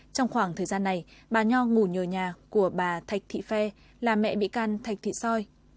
trong khoảng thời gian này bà nho ngủ nhờ nhà của bà thạch thị phe là mẹ bị can thạch thị soi